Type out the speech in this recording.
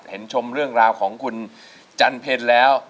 ชมเรื่องราวของคุณจันเพลแล้ว